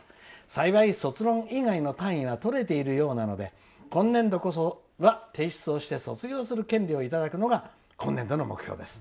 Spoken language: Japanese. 幸い、卒論以外の単位はとれているようなので今年度こそは提出をして卒業する権利をいただくのが今年度の目標です。